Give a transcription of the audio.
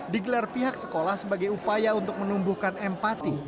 digelar pihak sekolah sebagai upaya untuk menumbuhkan empati